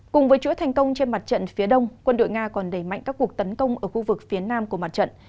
cùng với chuỗi thành công trên mặt trận phía đông quân đội nga còn đẩy mạnh các cuộc tấn công ở khu vực phía nam của mặt trận